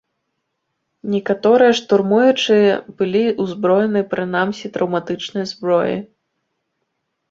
Некаторыя штурмуючыя былі ўзброены прынамсі траўматычнай зброяй.